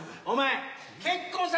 お前結婚